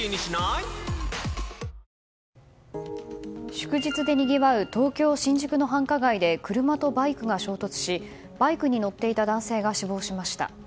祝日でにぎわう東京・新宿の繁華街で車とバイクが衝突しバイクに乗っていた男性が死亡しました。